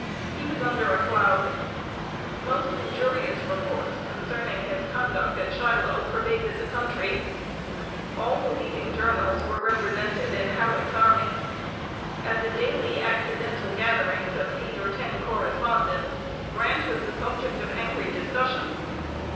He was under a cloud. Most injurious reports concerning his conduct at Shiloh pervaded the country. All the leading journals were represented in Halleck's army. At the daily accidental gatherings of eight or ten correspondents, Grant was the subject of angry discussion.